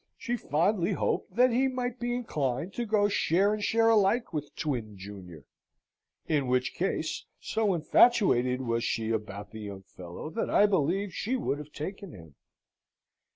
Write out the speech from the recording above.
She fondly hoped that he might be inclined to go share and share alike with Twin junior; in which case, so infatuated was she about the young fellow, that I believe she would have taken him.